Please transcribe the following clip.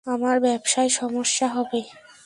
আমার ব্যবসায় সমস্যা হবে।